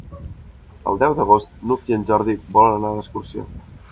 El deu d'agost n'Hug i en Jordi volen anar d'excursió.